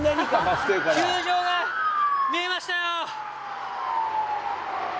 球場が見えましたよ。